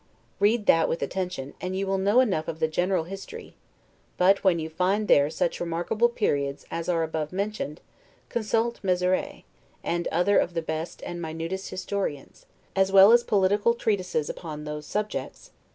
Read that with attention, and you will know enough of the general history; but when you find there such remarkable periods as are above mentioned, consult Mezeray, and other of the best and minutest historians, as well as political treatises upon those subjects.